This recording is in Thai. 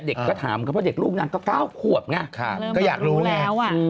เด็กก็ถามเพราะเด็กลูกนางก็เก้าขวบไงก็อยากรู้ไง